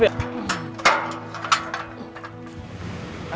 tidak tutup ya